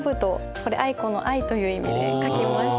これ愛子の「愛」という意味で書きました。